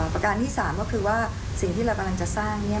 ประการที่๓ก็คือว่าสิ่งที่เรากำลังจะสร้าง